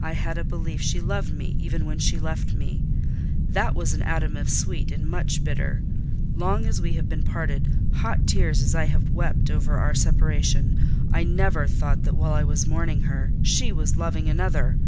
I had a belief she loved me even when she left me: that was an atom of sweet in much bitter. Long as we have been parted, hot tears as I have wept over our separation, I never thought that while I was mourning her, she was loving another!